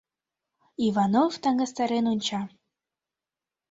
Иванов таҥастарен онча.